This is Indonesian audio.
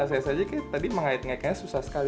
saya saja tadi mengait ngaitnya susah sekali